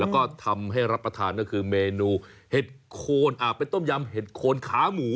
แล้วก็ทำให้รับประทานก็คือเมนูเห็ดโคนเป็นต้มยำเห็ดโคนขาหมู